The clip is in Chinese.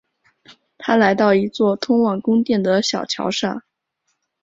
他来到一座通往宫殿的小桥上。